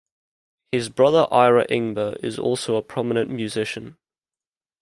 His brother Ira Ingber is also a prominent musician.